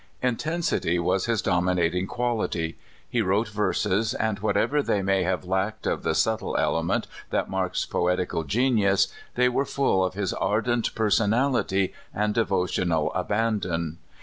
Intensity was his dominating quality. He wrote 140 CALIFORNIA SKETCHES. verses, and whatever they may have lacked of the subtle element that marks poetical genius, they were full of his ardent personality and devotional abandon.